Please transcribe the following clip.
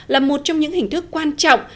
là một trong những hình thức quan trọng